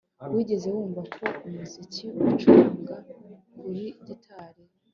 wigeze wumva ko umuziki ucuranga kuri gitari